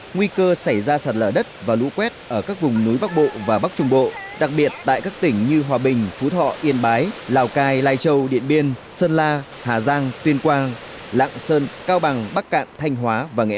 nguy cơ xảy ra sạt lở đất và lũ quét ở các vùng núi bắc bộ và bắc trung bộ đặc biệt tại các tỉnh như hòa bình phú thọ yên bái lào cai lai châu điện biên sơn la hà giang tuyên quang lạng sơn cao bằng bắc cạn thanh hóa và nghệ an